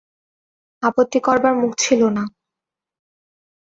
আপত্তি করবার মুখ ছিল না।